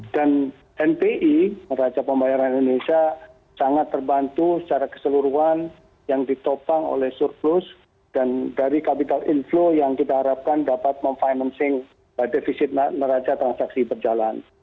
dan npi neraca pembayaran indonesia sangat terbantu secara keseluruhan yang ditopang oleh surplus dan dari capital inflow yang kita harapkan dapat memfinancing defisit neraca transaksi berjalan